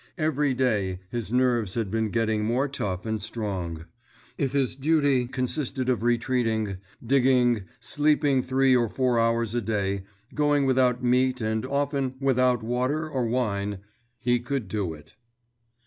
Every day his nerves had been getting more tough and strong. If his duty consisted of retreating, digging, sleeping three or four hours a day, going without meat and often Without water or wine, he could do it.